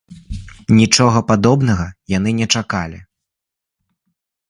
Нічога падобнага яны не чакалі.